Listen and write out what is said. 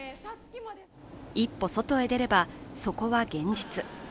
一歩外へ出れば、そこは現実。